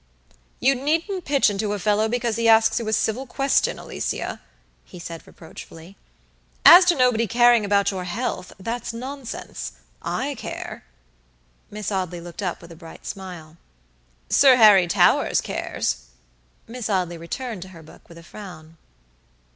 "You needn't pitch into a fellow because he asks you a civil question, Alicia," he said, reproachfully. "As to nobody caring about your health, that's nonsense. I care." Miss Audley looked up with a bright smile. "Sir Harry Towers cares." Miss Audley returned to her book with a frown.